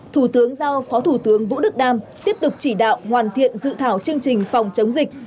thủ tướng giao phó thủ tướng vũ đức đam tiếp tục chỉ đạo hoàn thiện dự thảo chương trình phòng chống dịch